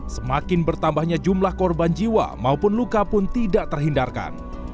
semakin bertambahnya jumlah korban jiwa maupun luka pun tidak terhindarkan